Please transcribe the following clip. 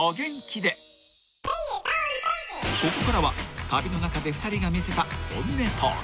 ［ここからは旅の中で２人が見せた本音トーク］